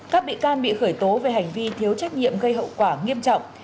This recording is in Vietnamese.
các bị can bị khởi tố về hành vi thiếu trách nhiệm gây hậu quả nghiêm trọng